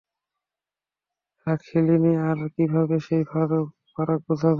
রাখালিনী আর কীভাবে সেই ফারাক বুঝবে?